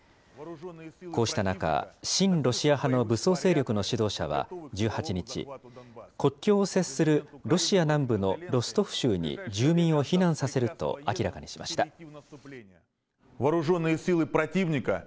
こうした中、親ロシア派の武装勢力の指導者は１８日、国境を接するロシア南部のロストフ州に住民を避難させると明らかにしました。